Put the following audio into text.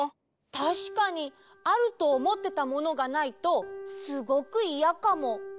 たしかにあるとおもってたものがないとすごくイヤかも。